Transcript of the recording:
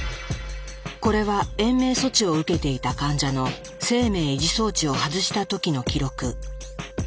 これは延命措置を受けていた患者の生命維持装置を外した時の記録。